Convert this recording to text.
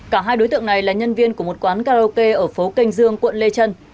cả hai đối tượng này là nhân viên của một quán karaoke ở phố kênh dương quận lê trân